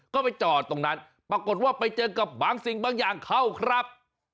ก็ไปจอดตรงนั้นปรากฏว่าไปเจอกับบางสิ่งบางอย่างเข้าครับ